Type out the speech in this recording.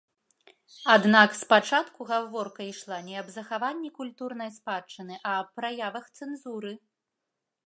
Аднак спачатку гаворка ішла не аб захаванні культурнай спадчыны, а аб праявах цэнзуры.